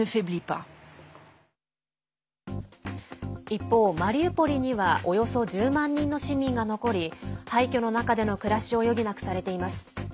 一方、マリウポリにはおよそ１０万人の市民が残り廃虚の中での暮らしを余儀なくされています。